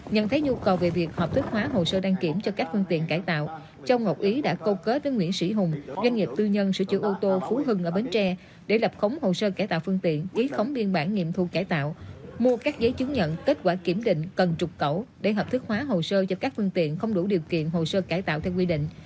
nhận thấy nhu cầu về việc hợp thức hóa hồ sơ đăng kiểm cho các phương tiện cải tạo châu ngọc ý đã câu kết với nguyễn sĩ hùng doanh nghiệp tư nhân sửa chữa ô tô phú hưng ở bến tre để lập khống hồ sơ cải tạo phương tiện ký khống biên bản nghiệm thu cải tạo mua các giấy chứng nhận kết quả kiểm định cần trục cẩu để hợp thức hóa hồ sơ cho các phương tiện không đủ điều kiện hồ sơ cải tạo theo quy định